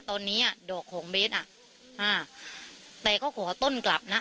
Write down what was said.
ตอนนี้อ่ะดอกของเบสอ่ะอ่าแต่เขาขอต้นกลับนะ